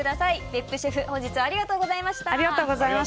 別府シェフ本日はありがとうございました